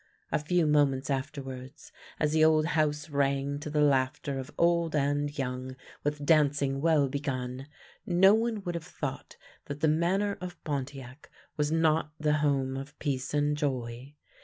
A few moments after\vards, as the old house rang to the laughter of old and young, with dancing well begun, no one would have thought that the Manor of Pontiac was not the home of peace and joy.